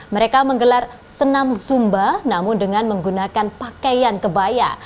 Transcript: mereka menggelar senam zumba namun dengan menggunakan pakaian kebaya